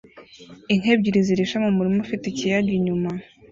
Inka ebyiri zirisha mu murima ufite ikiyaga inyuma